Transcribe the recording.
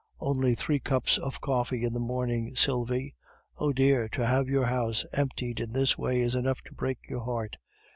"Only three cups of coffee in the morning, Sylvie! Oh dear! to have your house emptied in this way is enough to break your heart.